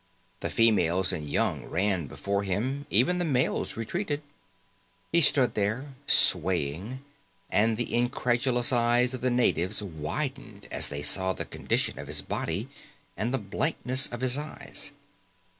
The females and young ran before him, even the males retreated. He stood there, swaying, and the incredulous eyes of the natives widened as they saw the condition of his body, and the blankness of his eyes.